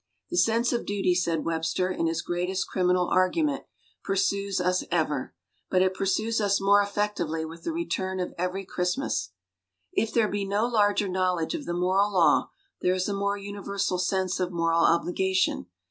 "The sense of duty," said Webster, in his greatest criminal argument, "pursues us ever." But it pursues us more effectively with the return of every Christmas. If there be no larger knowledge of the moral law there is a more universal sense of moral obligation.